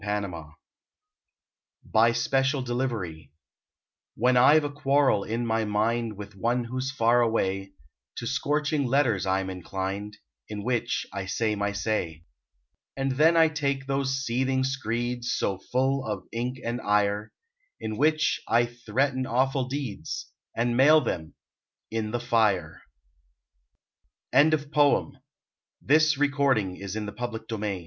BY SPECIAL DELIVERY WHEN I ve a quarrel in my mind With one who s far away, To scorching letters I m inclined, In which I say my say. And then I take those seething screeds So full of ink and ire, In which I threaten awful deeds, And mail them in the fire 1 [ 50] THE KINDLY MOON THE red moon rises from the